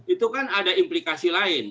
itu kan ada implikasi lain